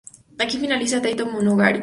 Aquí finaliza "Teito Monogatari".